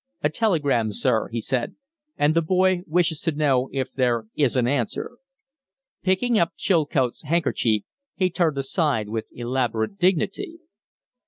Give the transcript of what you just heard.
"A telegram, sir," he said. "And the boy wishes to know if there is an answer." Picking up Chilcote's handkerchief, he turned aside with elaborate dignity.